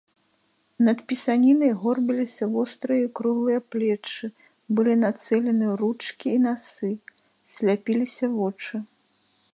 Над пісанінай горбіліся вострыя і круглыя плечы, былі нацэлены ручкі і насы, сляпіліся вочы.